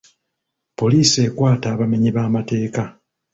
Poliisi ekwata abamenyi b'amateeka.